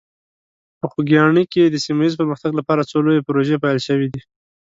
په خوږیاڼي کې د سیمه ایز پرمختګ لپاره څو لویې پروژې پیل شوي دي.